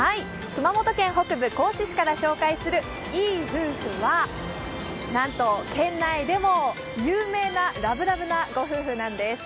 熊本県北部の合志市から紹介するいい夫婦はなんと県内でも有名なラブラブなご夫婦なんです。